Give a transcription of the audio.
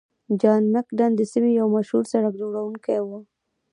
جان مکډم د سیمې یو مشهور سړک جوړونکی و.